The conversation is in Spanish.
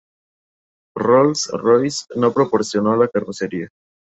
Rolls-Royce no proporcionó la carrocería.